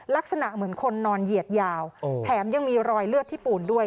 ลักษณะเหมือนคนนอนเหยียดยาวแถมยังมีรอยเลือดที่ปูนด้วย